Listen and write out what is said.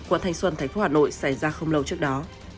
quận thanh xuân tp hà nội xảy ra không lâu trước đó